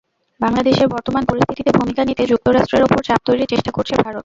বাংলাদেশের বর্তমান পরিস্থিতিতে ভূমিকা নিতে যুক্তরাষ্ট্রের ওপর চাপ তৈরির চেষ্টা করছে ভারত।